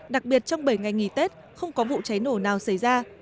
đặc biệt trong bảy ngày nghỉ tết không có vụ cháy nổ nào xảy ra